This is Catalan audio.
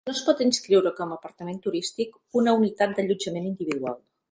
No es pot inscriure com a apartament turístic una unitat d'allotjament individual.